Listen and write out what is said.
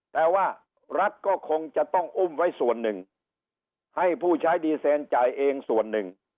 แต่ว่ารัฐก็คงจะต้องอุ้มไว้ส่วนหนึ่งให้ผู้ใช้ดีเซนจ่ายเองส่วนหนึ่ง